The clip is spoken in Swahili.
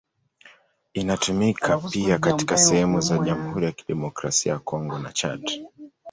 Inatumika pia katika sehemu za Jamhuri ya Kidemokrasia ya Kongo na Chad.